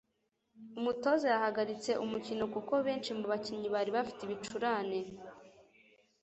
Umutoza yahagaritse umukino kuko benshi mu bakinnyi bari bafite ibicurane